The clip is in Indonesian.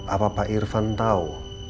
apa pak irfan tau